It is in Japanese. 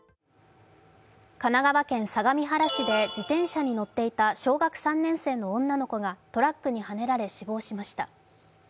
神奈川県相模原市で昨日、自転車に乗っていた小学３年生の女の子がトラックにはねられ死亡しました。